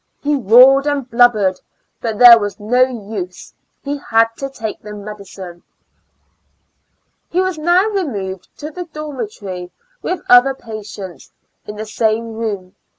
He roared and blubbered — but there was no use, he had to take the medicine. He was now removed into the dormitory with other patients, in the same room.